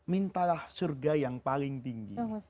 mintalah surga yang paling tinggi